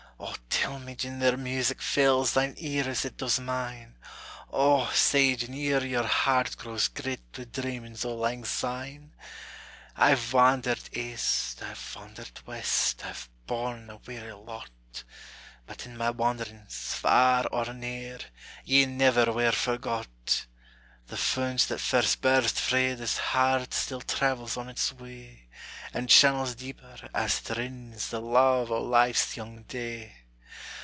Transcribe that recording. O, tell me gin their music fills Thine ear as it does mine! O, say gin e'er your heart grows grit Wi' dreamings o' langsyne? I've wandered east, I've wandered west, I've borne a weary lot; But in my wanderings, far or near, Ye never were forgot. The fount that first burst frae this heart Still travels on its way; And channels deeper, as it rins, The luve o' life's young day.